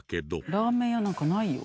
ラーメン屋なんかないよ。